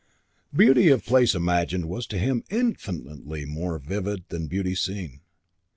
Beauty of place imagined was to him infinitely more vivid than beauty seen.